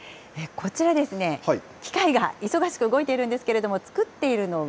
こちらですね、機械が忙しく動いているんですけれども、作っているのは。